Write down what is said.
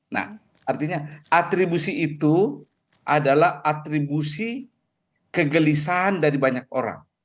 nah artinya atribusi itu adalah atribusi kegelisahan dari banyak orang